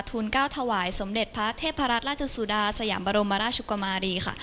ทุนก้าวถวายสมเด็จพระเทพรัฐราชสุดาสยามบรมราชชุกวมารี